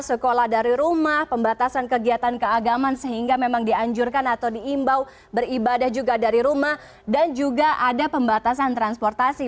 sekolah dari rumah pembatasan kegiatan keagaman sehingga memang dianjurkan atau diimbau beribadah juga dari rumah dan juga ada pembatasan transportasi